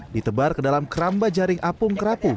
ditebar ke dalam keramba jaring apung kerapu